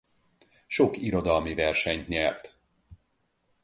Sok irodalmi versenyt nyert.